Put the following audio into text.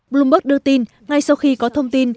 bloomberg đưa tin ngay sau khi có thông tin